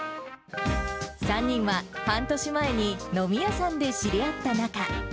３人は半年前に飲み屋さんで知り合った中。